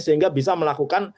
sehingga bisa melakukan